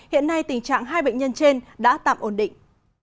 hiện nay tình trạng hai bệnh nhân trên đã tạm ổn định